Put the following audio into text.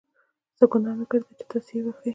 څه ګناه مې کړې ده چې تاسې یې وهئ.